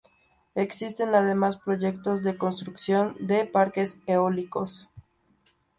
Existen además proyectos de construcción de parques eólicos.